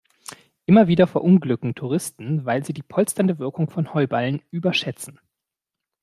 Immer wieder verunglücken Touristen, weil sie die polsternde Wirkung von Heuballen überschätzen.